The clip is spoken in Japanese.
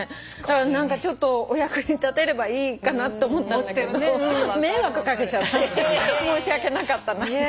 何かちょっとお役に立てればいいかなと思ったんだけど迷惑かけちゃって申し訳なかったなって。